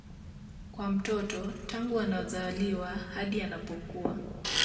kwa mtoto tangu anazaliwa hadi anapokua